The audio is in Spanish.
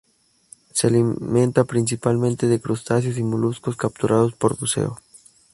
Se alimenta principalmente de crustáceos y moluscos capturados por buceo.